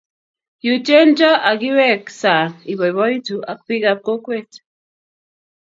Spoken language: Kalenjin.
Yutien cho ikiwek saang iboiboitu ak bikaab kokweej.